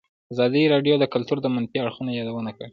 ازادي راډیو د کلتور د منفي اړخونو یادونه کړې.